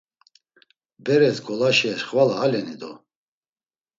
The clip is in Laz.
Beres ngolaşe xvala aleni do?